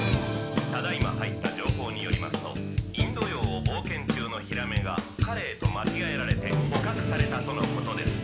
「ただ今入った情報によりますとインド洋を冒険中のヒラメがカレイと間違えられて捕獲されたとのことです